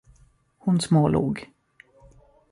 Hon smålog.